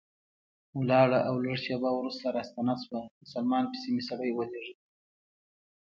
ولاړه او لږ شېبه وروسته راستنه شوه، په سلمان پسې مې سړی ولېږه.